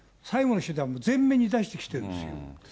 最後の手段を前面に出してきてるんですよ。